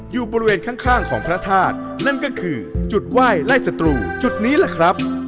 อยู่บริเวณข้างของพระธาตุนั่นก็คือจุดไหว้ไล่สตรูจุดนี้แหละครับ